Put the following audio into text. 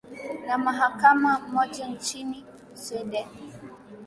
na mahakama moja nchini sweden